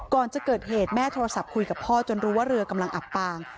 ก่อนจะเกิดเหตุแม่โทรศัพท์คุยกับพ่อจนรู้ว่าเรือกำลังอับปาง